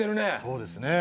そうですね。